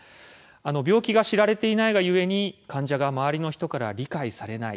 病気が知られていないが故に患者が周りの人から理解されない。